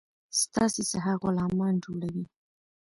ستاسي څخه غلامان جوړوي.